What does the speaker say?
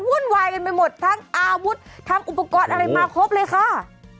วุ่นวายกันไปหมดทั้งอาวุธทั้งอุปกรณ์อะไรมาครบเลยค่ะ